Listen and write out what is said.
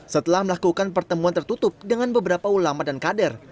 setelah melakukan pertemuan tertutup dengan beberapa ulama dan kader